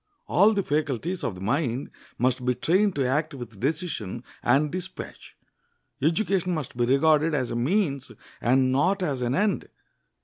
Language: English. All the faculties of the mind must be trained to act with decision and dispatch. Education must be regarded as a means and not as an end.